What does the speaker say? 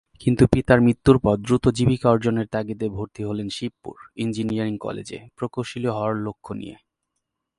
কিন্তু পিতার মৃত্যুর পর দ্রুত জীবিকা অর্জনের তাগিদে ভর্তি হলেন শিবপুর ইঞ্জিনিয়ারিং কলেজে, প্রকৌশলী হওয়ার লক্ষ্য নিয়ে।